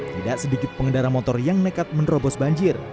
tidak sedikit pengendara motor yang nekat menerobos banjir